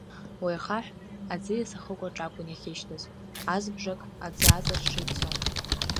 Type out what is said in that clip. Уи ахаҳә аӡиас ахықәаҿ акәын иахьышьҭаз, азыбжак аӡы аҵаҽҽа ицон.